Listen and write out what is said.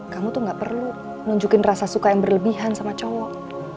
kamu tuh gak perlu nunjukin rasa suka yang berlebihan sama cowok